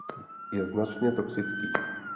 Je značně toxický.